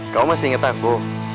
kau masih inget aku